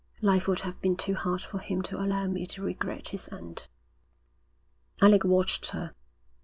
Life would have been too hard for him to allow me to regret his end.' Alec watched her.